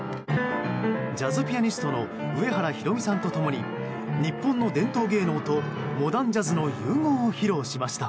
ジャズピアニストの上原ひろみさんと共に日本の伝統芸能とモダンジャズの融合を披露しました。